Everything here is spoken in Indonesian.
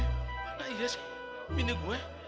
mana iya sih bintik gua